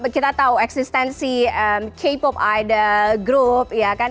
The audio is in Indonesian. kita tahu eksistensi k pop idol group ya kan